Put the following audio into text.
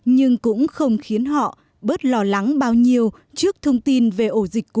nhưng cũng không khiến họ bớt lo lắng bao nhiêu trước thông tin về ổ dịch cũ